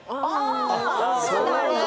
そうなんだ